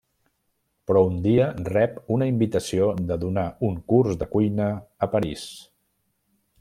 Però un dia rep una invitació de donar un curs de cuina a París.